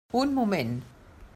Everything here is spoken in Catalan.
Un moment!